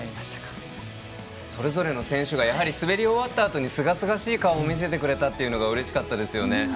それぞれの選手が滑り終わったあとにすがすがしい顔を見せてくれたというのがうれしかったですよね。